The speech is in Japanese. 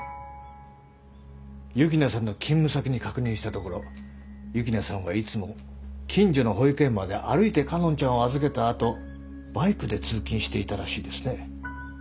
幸那さんの勤務先に確認したところ幸那さんはいつも近所の保育園まで歩いて佳音ちゃんを預けたあとバイクで通勤していたらしいですね。